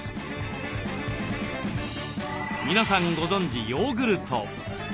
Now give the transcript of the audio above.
皆さんご存じヨーグルト。